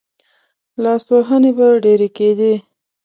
لاسوهنې به ډېرې کېدې.